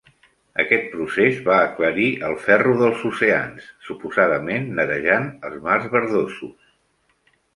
Aquest procés va aclarir el ferro dels oceans, suposadament netejant els mars verdosos.